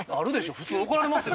普通怒られますよ。